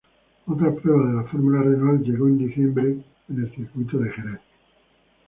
Otra prueba de la Fórmula Renault llegó en diciembre en el Circuito de Jerez.